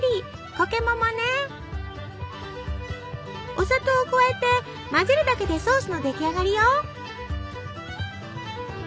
お砂糖を加えて混ぜるだけでソースの出来上がりよ。